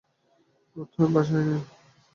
বোধ হয় ভাষায় নেই।